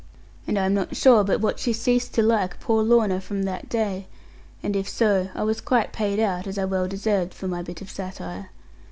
And I am not sure but what she ceased to like poor Lorna from that day; and if so, I was quite paid out, as I well deserved, for my bit of satire.